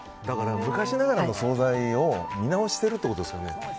昔ながらのお惣菜を見直しているってことですよね。